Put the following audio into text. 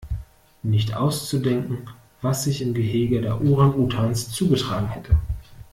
Nicht auszudenken, was sich im Gehege der Orang-Utans zugetragen hätte!